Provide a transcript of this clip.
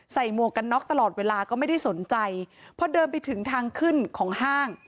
หมวกกันน็อกตลอดเวลาก็ไม่ได้สนใจพอเดินไปถึงทางขึ้นของห้าง